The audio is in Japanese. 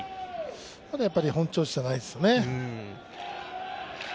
まだ、本調子じゃないですよね。